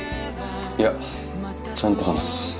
いやちゃんと話す。